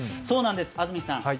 そうなんです、安住さん。